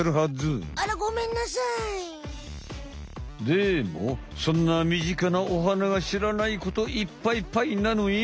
でもそんな身近なお花がしらないこといっぱいぱいなのよ！